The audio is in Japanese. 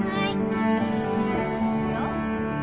いくよ。